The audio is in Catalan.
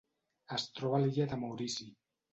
Es troba a l'illa de Maurici.